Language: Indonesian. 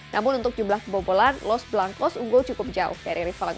namun untuk jumlah kebobolan los blancos unggul cukup jauh dari rival